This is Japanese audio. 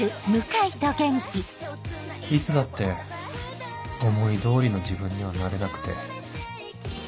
いつだって思い通りの自分にはなれなくて